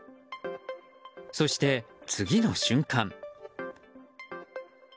そして、次の瞬間。